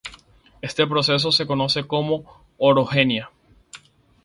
Este proceso se conoce como Orogenia.